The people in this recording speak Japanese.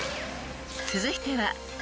［続いては］